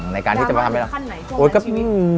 ดราม่าอยู่ขั้นไหนช่วงนั้นชีวิต